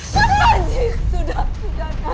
sudah sudah sudah